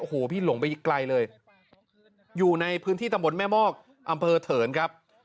โอ้โหพี่หลงไปไกลเลยอยู่ในพื้นที่ตำบลแม่มอกอำเภอเถินครับ